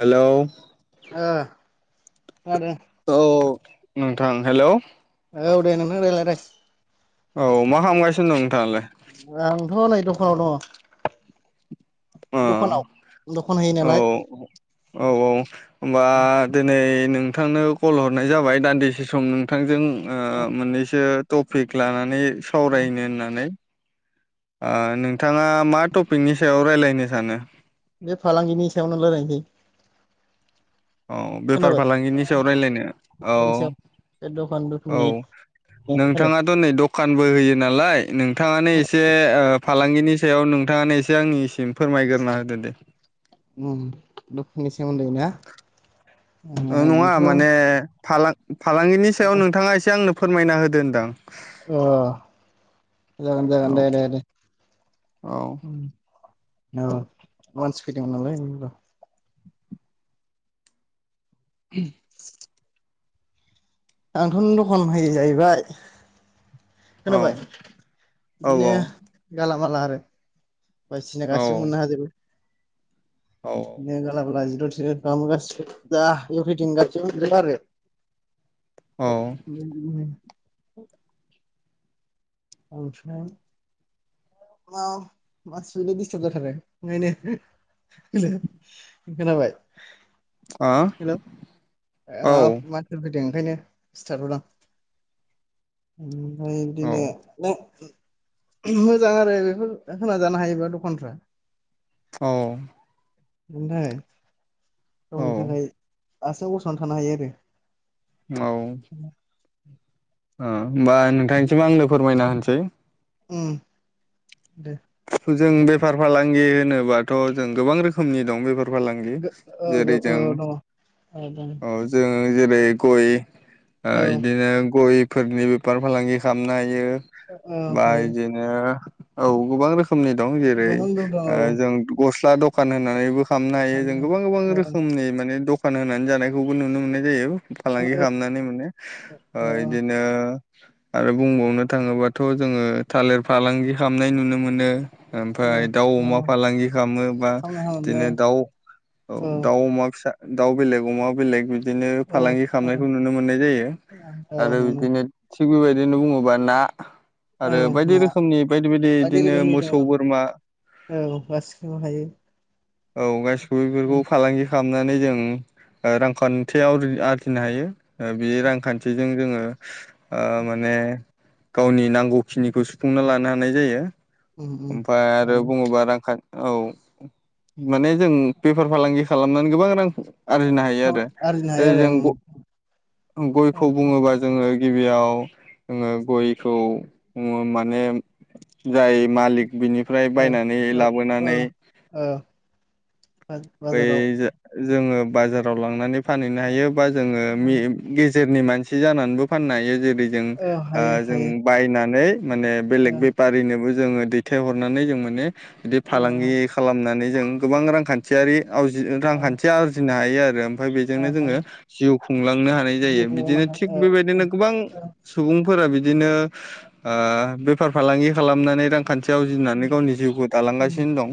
Hello ओ खोनादों औ नोंथां हेलौ औ दे नोंनो रायलायनाय औ मा खालामगासिनो दं नोंथाङालाय आंथ' नै दखानाव अ दङ दखानाव दखान होयो औ नालाय औ औ होनबा दिनै नोंथांनो कल हरनाय जाबाय दान्दिसे सम नोंथांजों ओ मोननैसो टपिक लानानै सावरायनो होननानै ओ नोंथाङा मा टपिकनि सायाव रायज्लायनो सानो बे फालांगिनि सायावनो रायलायनोसै औ बेफार खोनाबाय फालांगिनि सायाव रायज्लायनो फालांगिनि सायाव बे दखान औ औ दखाननि आरो नोंथाङाथ' नै दख खानबो होयो नालाय नोंथाङानो एसे फालांगिनि सायाव नोंथाङानो एसे आंनिसिम फोरमायग्रोना होदो दे दुखुनि सोमोन्दै ना नङा आंथ' माने फालां फालांगिनि सायाव नोंथाङा एसे आंनो फोरमायना होदो होनदां अ जागोन जागोन औ दे दे दे औ औ औ मानसि फैदोंमोनालाय र ओ आंथ'नो दखान होयो जाहैबाय औ खोनाबाय बिदिनो औ गालामाला आरो बायसिना औ गासिबो मोननो हाजोबो औ ने गाला बालाजि इभिरिथिं गासिबो मोनजोबो आरो औ उम उसनाय जोंनाव मानसि फैदोंलै दिस्टार्ब जाथारो नै नै खोनाबाय आ ओ औ माबा मानसिफोर फैदों ओंखायनो सिरि थाथदों आं ओ औ बिदिनो मोजां आरो बेफोरखौ होना जानो हायोबा दखानफ्रा औ बेनि थाखाय औ गावनि थाखाय ओ आथिंआव गसंनानै थानो हायो आरो औ ओ होमबा नोंथांनिसिम आंनो फोरमायना होनोसै ओम दे जों बेफार फालांगि होनोबाथ' जों गोबां रोखोमनि दं बेफार फालांगि औ जेरै जों दङ औ दङ अ जों जेरै गय ओ औ इदिनो गयफोरनि बेफार फालांगि खालामनो हायो औ बा हायो इदिनो औ गोबां रोखोम रोखोमनि नि दं जेरै गोबां दं ओ दङ जों औ गस्ला दखान होनानैबो खालामनो हायो जों गोबां गोबां रोखोमनि माने दखान होनानै जानायखौबो नुनो मोननाय जायो औ फालांगि खालामनानै मोनो ओ औ इदिनो आरो बुंबावनो थाङोबाथ' जोङो थालेर फालांगि खालामनाय नुनो मोनो औ ओमफाय दाउ औ अमा फालांगि खामोबा औ इदिनो दाउ औ दाउ अमा फिसा दाउ बेलेग अमा बेलेग बिदि बिदिनो फालांगि खालामनायखौ नुनो मोननाय जायो आरो बिदिनो थिग बेबायदिनो बुङोबा ना आरो बायदि ना रोखोमनि बायदि बायदि इदिनो रोखोमनि मोसौ दङ बोरमा औ औ गासैखौबो हायो। औ गासिखौबो बेफोरखौ फालांगि खालामनानै जों रांखान्थियाव आरजिनो हायो बे रांखान्थिजों जोङो ओ माने गावनि नांगौखिनिखौ सुफुंना लानो हानाय जायो ओमफाय आरो बुङोबा रांखान औ माने जों बेफार फालांगि खालामनानै गोबां रां आरजिनो हायो आरो आरजिनो हायो जेरै जों गय आरो गयखौ बुङोबा जोङो गिबियाव गयखौ माने जाय मालिक बिनिफ्राय बायनानै लाबोनानै ओं औ बै बाजाराव जोङो बाजाराव लांनानै फानहैनो हायो बा जोङो मि गि जेरनि मानसि जानानैबो फाननो हायो जेरै जों औ हायो जों हायो बायनानै माने औ बेलेग बेफारिनोबो जोङो दैथायहरनानै जों माने बिदि फालांगि औ खालामनानै जों गोबां रांखान्थियारि [unintelligible] औ रांखान्थि आरजिनो हायो आरो ओमफ्राय बेजोंनो औ हायो जोङो जिउ खुंलांनो हानाय जिउ जायो बिदिनो खुंलांनो थिग हायो बेबायदिनो गोबां सुबुं फोरा बिदिनो ओ बेफार फालांगि खालामनानै खान्थि आरजिनानै गावनि जिउखौ दालांगासिनो दं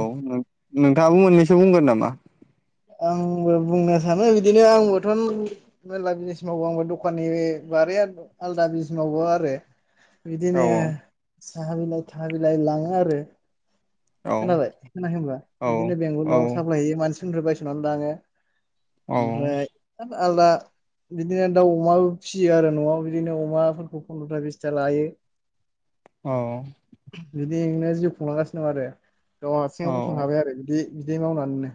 औ नोंथाङाबो मोननैसो बुंगोन नामा आंबो बुंनो सानो बिदिनो आंबोथ' मेरला बिजनेस मावो आंबो दखाननि बारिया आलदा बिज मावो आरो औ बिदिनो साहाबिलाय थाहाबिलाय लाङो आरो खोनाबाय होनाखै होनबा औ बिदिनो औ बेंगलाव साप्लाय होयो मानसि बायसनानै लाङो औ ओमफ्राय आलदा बिदिनो दाउ अमाबो फिसियो आरो न'आव बिदिनो अमाफोरखौ फन्द्रथा बिसथा लायो अह बिदिनो जिउ खुंलांगासिनो दं आरो गाव हारसिङाव गसंनो हाबाय आरो बिदि बिदि मावनानै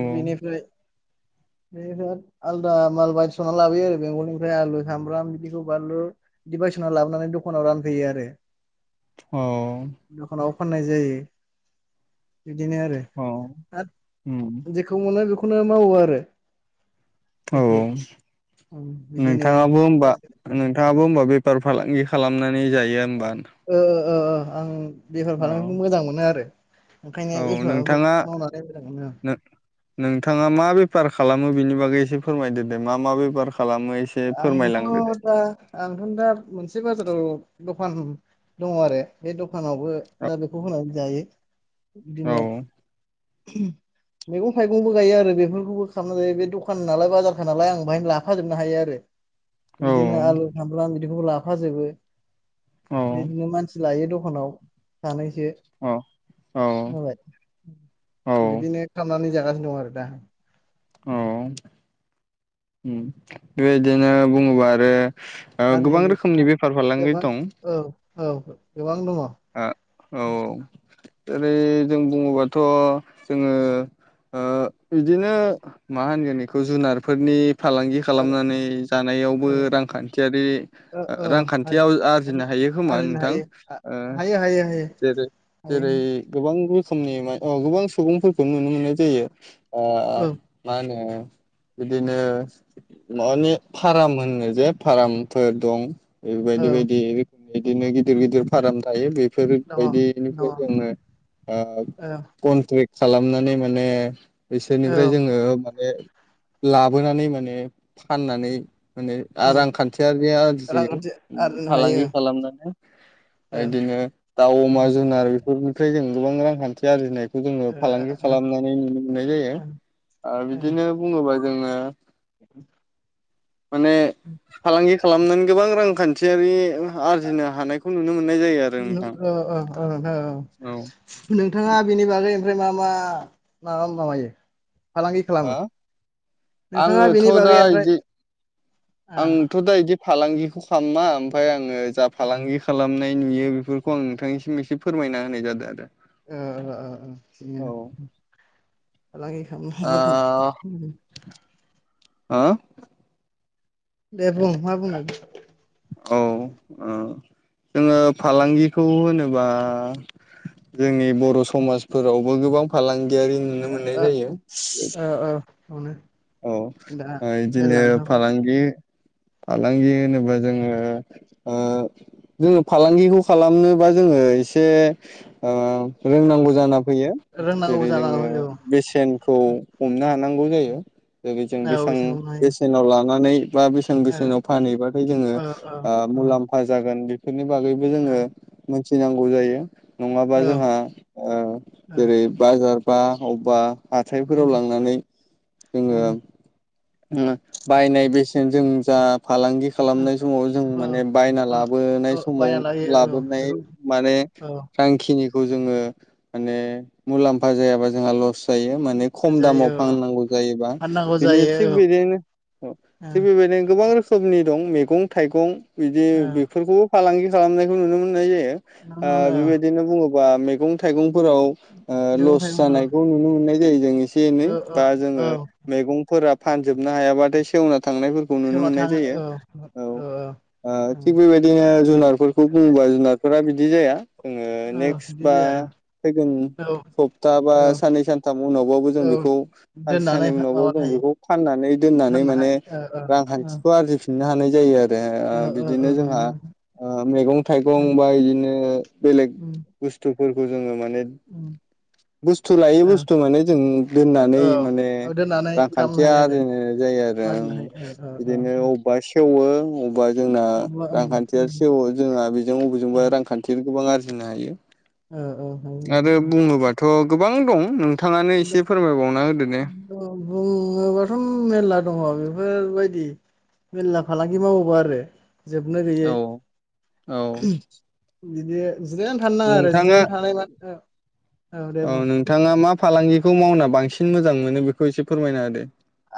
आरो बेनिफ्राय [inaudible] बे आलदा माल बायस'ना लाबोयो आरो बेंगलनिफ्राय आलु, सामब्राम बिदिखौ बानलु। बायस'ना लाबोनानै दखानाव रानफैयो आरो। अह। दखानाव फाननाय जायो बिदिनो आरो [unintelligible] जेखौ मोनो बेखौनो मावो आरो। औ जेखौ उम बिदिनो नोंथाङाबो होमबा नोंथाङाबो होमबा बेफार फालांगि खालामनानै जायो होमबा। ओ ओ ओ आं बेफार औ फालांगिखौनो मोजां मोनो आरो। ओंखायनो औ बेफारखौ नोंथाङा मावनानै मोजां मोनो नों-नोंथाङा मा बे फार खालामो बिनि बागै एसे फोरमायदो दे मा मा बेफार खालामो। एसे आंथ' फोरमायलांदो दे दा आंथ' दा मोनसे बाजाराव दखान दङ आरो बे दखानावबो औ दा बेखौ होनानै जायो। बिदिनो मैगं थाइगंबो गायो आरो बेफोरखौबो खालामना जायो। बे दखान नालाय बाजारखा नालाय आं बेहायनो लाफाजोबनो हायो आरो। औ बिदिनो आलु, सामब्राम बिदिखौबो लाफाजोबो। औ बिदिनो मानसि लायो द खानाव लानाय जा यो माबाय औ बिदिनो खालामनानै जागासिनो। दं आरो दा। औ उम बेबायदिनो बुङोबा आरो ओ गोबां रोखोमनि आरो बेफार फालांगि गोबां दं। औ औ गोबां दङ। ओरै जों बुङोबाथ' जोङो ओ‌ बिदिनो मा होनगोन एखौ जुनारफोरनि फालांगि ओ खालामनानै जानायावबो रांखान्थियारि ओ ओ आरो रांखान्थियाव आरो आरजिनो हा यो खोमा आरजिनो नोंथां? हायो ओ‌ हायो हायो हायो जेरै जेरै हायो गोबां बां रोखोमनि मा गोबां सुबुंफोरखौ नुनो मोननाय जायो आ औ मा होनो बिदिनो मानि फाराम होनो जे फारामफोर दं। बेबायदि औ बायदि [unintelligible] बिदिनो गिदिर गिदिर फाराम थायो बेफोर दङ दङ बायदिनिफ्राय औ जोङो ओ कनट्रे ट्रेक खालामनानै माने बिसोरनिफ्राय औ जोङो माने लाबोनानै माने फाननानै माने उम रांखान्थियारि आरजियो रांखान्थि आरजिनो हायो फालांगि खालामनानै। दा इदिनो दाउ, औ अमा जुनार बेफोरनिफ्राय जों गोबां रांखान्थि आरजिनाय खौ जोङो फालांगि नोंथाङा खालामनानै नुनो मोननाय जायो‌। आ बिदिनो बुङोबा जोङो माने फालांगि खालामनानै गोबां रांखान्थियारि आरजिनो हानायखौ नु नुनो मोननाय जायो आरो नोंथां। नोंथाङा बेनि बागै ओमफ्राय मा मा माबा माबायो? फालांगि हा खालामो? नोंथाङा आङोथ' बेनि दा बागै ओमफ्राय इदि आंथ' दा इदि फालांगिखौ खालामा। ओमफाय आङो जा फालांगि खालामनाय नुयो बेफोरखौ आं नोंथांनिसिम एसे फोरमायना होनाय जादो आरो। ओ ओ ओ औ ओम। फालांगि आ खालाम [unintelligible] [inaudible] दे बुं मा बुंनो [unintelligible] औ ओ जोङो फालांगिखौ होनोबा जोंनि बर' समाजफोरावबो गोबां फालां गियारि नुनो मोननाय जायो। अनो। औ ओ इदिनो फालांगि फालांगि होनोबा जोङो ओ जोङो फालांगिखौ खालामनोबा जोङो ओ एसे ओ रोंनांगौ जाना फैयो रोंनांगौ जेरै जोङो जानांगौ बेसेनखौ हमनो हा नांगौ' जायो बेबादिनो औ बेसेबां बेसेन हमनो हायो बेसेनाव लानानै बा बेसेन औ बेसेनाव फानहैबाथाय जोङो औ औ आ औ मुलाम्फा जागोन बे नि बागैबो जोङो मोनथिनांगौ जायो नङाबा जोंहा आ औ जेरै बाजार बा अबेबा हाथायफोराव लांनानै औ ओ बायनाय बेसेन जों जा फालांगि खालामनाय समाव जों औ माने बायना लाबोनाय औ समाव बायना लायो औ लाबोनाय बेखौ माने औ थांखिनि खौ‌ जोङो माने मुलाम्फा जायाबा जोंहा लस जायो माने खम जायो दामाव औ औ फाननांगौ जायोबा फाननांगौ बिनि जायो थिग बेदिनो ओ औ थिग बेबायदिनो गोबां रोखोम खोमनि दं मैगं थाइगं बिदि औ बेफोरखौबो फालांगि खालामनायखौ नुनो मोननाय जायो ओ नंगौनो औ बेबायदिनो बुङोबा मैगं थाइगं फोराव‌ ओ मैगं लस थाइगंखौ जानायखौ नुनो मोननाय जायो जोङो एसे एनै औ बा औ औ ओ मेगंफोरा फानजोबनो हायाबाथाय सेवना थांनायफोरखौ नुनो मोननाय जायो औ ओ ओम थिग बेबायदिनो जुनार बेफोरखौ बुङोबा जुनारफोरा बिदि जाया जोङो औ नेक्स्ट बिदि बा जाया फैगोन औ सप्ता बा औ साननै सानथाम उनावबाबो जों औ बेखौ सानसे दोननानै साननै उनावबो माबा जों थायो बेखौ फाननानै दोननानै फाननो माने हायो ओ रांखान्थिखौ आरजिफिननो हानाय बे ओ बिदिनो जोंहा ओ मैगं थाइगं उम बा बिदिनो बेलेग बुस्थुफोरखौ जोङो माने उम [inaudible] बुस्थु लायो ओ बुस्थु माने जों दोननानै ओ औ माने औ दोननानै खालामनो रांखान्थिया हायो आरो जोंनो जायो आरो आरजिनो आरो हायो औ औ बिदिनो औ अबेबा सेवो अबेबा जोंना अब्ला ओं रांखान्थिया ओं सेवो जोंना बेजों अबेजोंबा रांखान्थि गोबां आरजि होननो हायो अ अ आरो बुङोबाथ' गोबां दं नों बुङोबाथ' मेर्ला दङ बे बेफोरबायदि मेरला फालांगि मावोबा आरो जोबनो गैयै औ औ बिदि जिरायनो थानो नाङा आरो नोंथाङा जिरायनो थानाय माने औ नोंथाङा मा फालांगिखौ मावना बांसिन मोजां मोनो बेखौ एसे फोरमायना होदो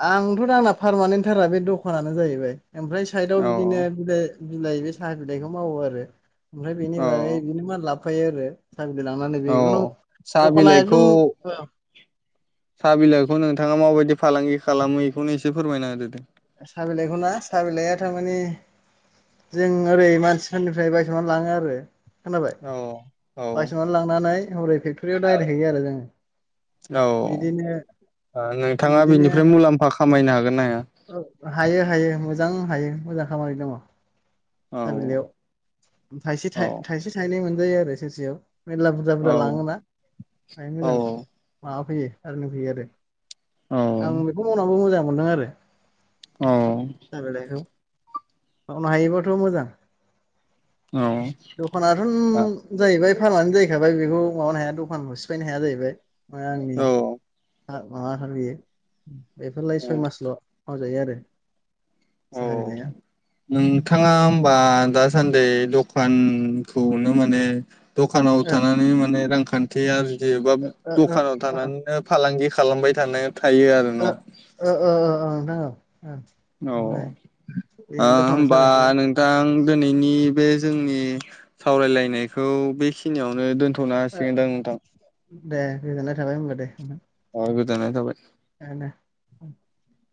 आंथ' दा आंना पारमानेन्टथारा बे दखानानो जाहैबाय ओमफ्राय साइदआव औ बिदिनो बिलाइ बिलाइ बे साहा बिलाइखौ मावो आरो ओमफ्राय औ बेनि बागै बिनो मान लाबफायो आरो सा बिल्इ लांनानै औ बेखौ नों साहा दखाना एकदम बिलाइखौ ओ साहा बिलाइखौ नोंथाङा माबायदि फालांगि खालामो इखौनो एसे फोरमायना होदो साहा बिलाइखौ ना साहा बिलाइआ थारमाने जों ओरै मानसिफोरनिफ्राय बायस'नानै लाङो आरो खोनाबाय, औ औ बायसननानै लांनानै हरै फेक्ट'रियाव डाइरेक्ट हैयो आरो जोङो औ बिदिनो ओ नोंथाङा बेनिफ्राय मुलाम्फा खामायनो हागोन ना हाया? औ हायो हायो मोजां हायो मोजां खामानि दङ। औ साबिलाइयाव थाइसे औ थाइसे थाइनै मोनजायो आरो सेरसेयाव मेल्ला बुरजा बुरजा औ लाङोना ओमफ्राय औ मोजां माबा फैयो आरनिं फैयो आरो आं औ बेखौ मावनानैबो मोजां मोनदों आरो साबिलाइखौ मावनो हायोबाथ' मोजां औ दखानाथ'न जाहैबाय खानानो जाहैखाबाय बेखौ माबानो हाया दखानखौ सिफायनो हाया जाहैबाय हो औ आंनि [unintelligible] बेफोरलाय सय मासल' मावजायो आरो। औ साहा बिलाइआ नोंथाङा बा दासान्दि दखानखौनो माने दखानाव ओ थानानै माने रांखान्थि आरजियोबा ओ ओ दखानाव ओ थानानैनो फालांगि खा खालामबाय थानो थायो आरो ओ न' ओ ओ ओ ओ नोंथां ओ औ ओ बेनो दखानाव होमबा सालायहरनो नोंथां दिनैनि बे जोंनि सावरायलायनायखौ बेखिनियावनो दोनथ' थ'नो ओ हांसिगोन दां नोंथां? दे गोजोननाय थाबाय होनबा दे। औ गोजोननाय थाबाय। [unintelligible]